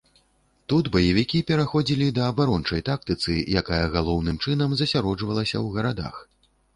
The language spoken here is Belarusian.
Тут баевікі пераходзілі да абарончай тактыцы, якая галоўным чынам засяроджвалася ў гарадах.